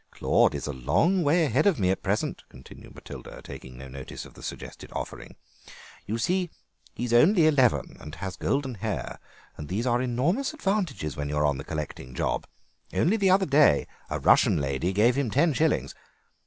"Claude is a long way ahead of me at present," continued Matilda, taking no notice of the suggested offering; "you see, he's only eleven, and has golden hair, and those are enormous advantages when you're on the collecting job. Only the other day a Russian lady gave him ten shillings.